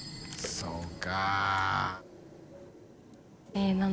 △そうか。